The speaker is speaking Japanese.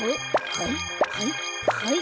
はいはいはい。